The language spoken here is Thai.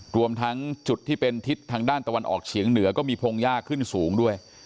รวมทั้งจุดที่เป็นทิศทางด้านตะวันออกเฉียงเหนือก็มีพงยากขึ้นสูงด้วย